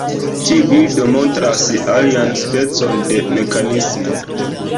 Tiu bildo montras alian specon de mekanismo.